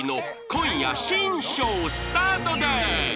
今夜新章スタートです！